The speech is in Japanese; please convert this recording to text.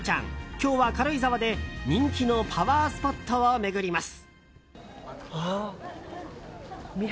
今日は軽井沢で人気のパワースポットを巡ります。